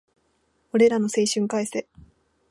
俺らの青春を返せ